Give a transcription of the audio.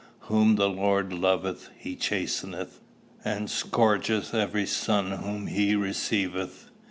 'Whom the Lord loveth he chasteneth, and scourgeth every son whom he receiveth.